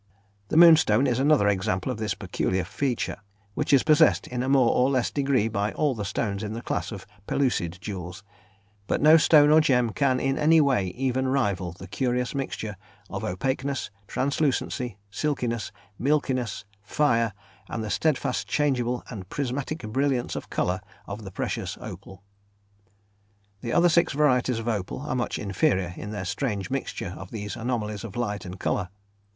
The moonstone is another example of this peculiar feature which is possessed in a more or less degree by all the stones in the class of pellucid jewels, but no stone or gem can in any way even rival the curious mixture of opaqueness, translucency, silkiness, milkiness, fire, and the steadfast changeable and prismatic brilliance of colour of the precious opal. The other six varieties of opal are much inferior in their strange mixture of these anomalies of light and colour.